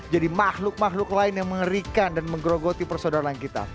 jadi makhluk makhluk lain yang mengerikan dan menggerogoti persaudaraan kita